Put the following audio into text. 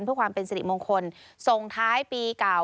เพื่อความเป็นสิริมงคลส่งท้ายปีเก่า